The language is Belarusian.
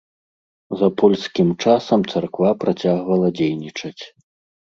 За польскім часам царква працягвала дзейнічаць.